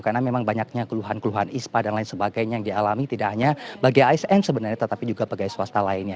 karena memang banyaknya keluhan keluhan ispa dan lain sebagainya yang dialami tidak hanya bagai asn sebenarnya tetapi juga bagai swasta lainnya